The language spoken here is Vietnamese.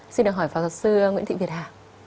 xin được hỏi phó giáo sư nguyễn thị việt hà